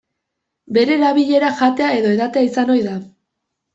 Bere erabilera jatea edo edatea izan ohi da.